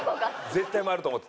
絶対回ると思ってた。